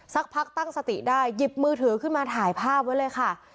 สักพักตั้งสติได้หยิบมือถือขึ้นมาถ่ายภาพไว้เลยค่ะ